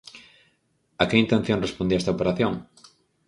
A que intención respondía esta operación?